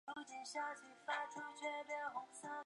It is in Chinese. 蓝果弯贝介为弯贝介科弯贝介属下的一个种。